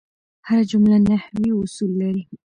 هره جمله نحوي اصول لري.